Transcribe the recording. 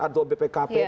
ada ketua bpkp